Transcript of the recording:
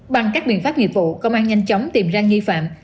bằng các biện pháp nghiệp vụ công an nhanh chóng tìm ra nghi phạm